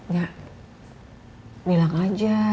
ya bilang aja